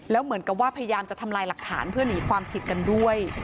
แล้วเหมือนกับว่าพยายามจะทำลายหลักฐานเพื่อหนีความผิดกันด้วย